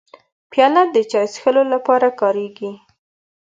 پیاله د چای څښلو لپاره کارېږي.